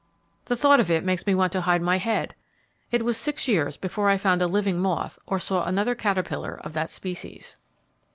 The thought of it makes me want to hide my head. It was six years before I found a living moth, or saw another caterpillar of that species.